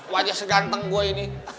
wajah seganteng gue ini